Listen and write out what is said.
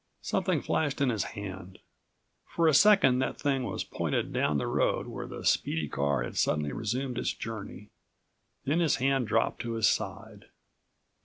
Something flashed in his hand. For a second that thing was pointed down the road where the speedy car had suddenly resumed its journey. Then his hand dropped to his side.